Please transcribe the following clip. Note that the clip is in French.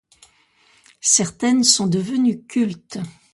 Certaines sont devenues cultes.